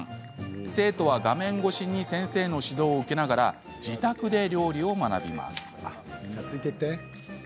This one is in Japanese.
生徒は画面越しに先生の指導を受けながら自宅で料理を学びます。